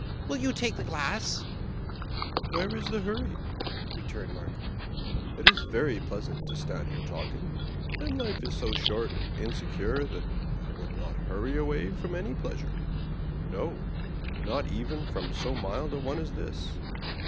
Will you take the glass ?"" Where is the hurry ?" returned Markheim. " It is very pleasant to stand here talking ; and life is so short and insecure that I would not hurry away from any pleasure— no, not even from so mild a one as this.